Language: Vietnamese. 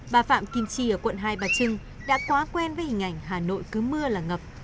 bà phạm kim chi ở quận hai bà trưng đã quá quen với hình ảnh hà nội cứ mưa là ngập